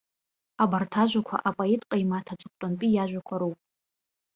Абарҭ ажәақәа апоет ҟаимаҭ аҵыхәтәантәи иажәақәа роуп.